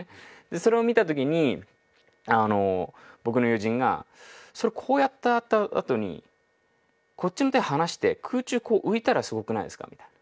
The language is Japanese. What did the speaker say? それを見た時に僕の友人がそれこうやったあとにこっちの手離して空中こう浮いたらすごくないですかみたいな。